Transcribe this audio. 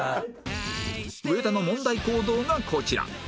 上田の問題行動がこちら